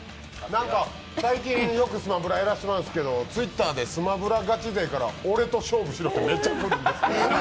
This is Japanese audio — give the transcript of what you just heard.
最近よくスマブラやらせてもらうんですけど、Ｔｗｉｔｔｅｒでスマブラガチ勢から俺と勝負しろってめっちゃくるんです。